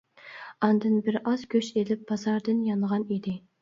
ئاندىن بىر ئاز گۆش ئېلىپ بازاردىن يانغان ئىدى.